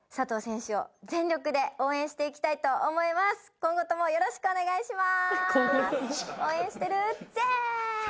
今後ともよろしくお願いします。